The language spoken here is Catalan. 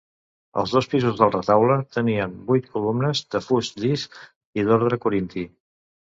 Els dos pisos del retaule tenien vuit columnes de fust llis i d’ordre corinti.